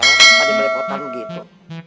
lu pake lepotan gitu